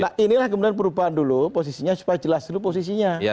nah inilah kemudian perubahan dulu posisinya supaya jelas dulu posisinya